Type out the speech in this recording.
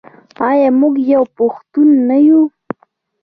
آیا موږ یو پښتون نه یو؟